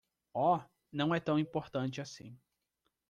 Oh,? não é tão importante assim.